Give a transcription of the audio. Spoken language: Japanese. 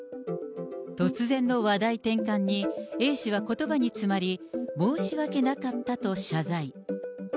突然の話題転換に、Ａ氏はことばに詰まり、もうしわけなかったと謝罪。